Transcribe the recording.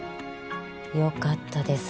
良かったです